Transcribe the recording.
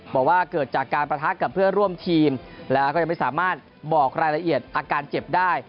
บอกว่าเกิดจากการประทะกับเพื่อนร่วมทีมแล้วก็ยังไม่สามารถบอกรายละเอียดอาการเจ็บได้